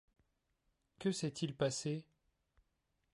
Que s’est-il passé?